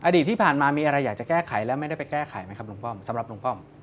อดีตที่ผ่านมามีอะไรอยากจะแก้ไขและไม่ได้ไปแก้ไขไหมครับลุงป้อมสำหรับลุงป้อม